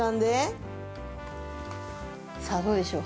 さあどうでしょう？